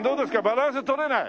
バランス取れない？